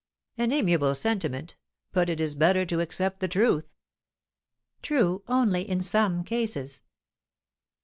"An amiable sentiment; but it is better to accept the truth." "True only in some cases."